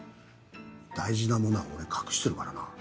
大事なものは俺隠してるからな。